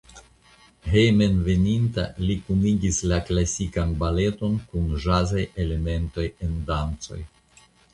Hejmenveninta li kunigis la klasikan baleton kun ĵazaj elementoj en dancoj.